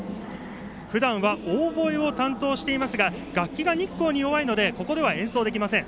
ふだんはオーボエを担当していますが楽器が日光に弱いのでここでは演奏できません。